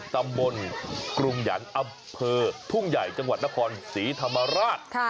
ตำบลกรุงหยันต์อำเภอทุ่งใหญ่จังหวัดนครศรีธรรมราช